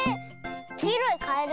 きいろいカエル？